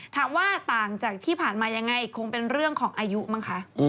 ถามว่าต่างจากที่ผ่านมายังไงคงเป็นเรื่องของอายุมั้งคะ